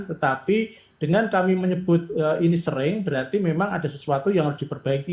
tetapi dengan kami menyebut ini sering berarti memang ada sesuatu yang harus diperbaiki